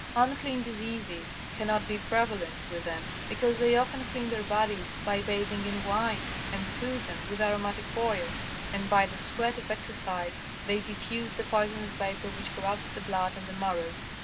Unclean diseases cannot be prevalent with them because they often clean their bodies by bathing in wine, and soothe them with aromatic oil, and by the sweat of exercise they diffuse the poisonous vapor which corrupts the blood and the marrow.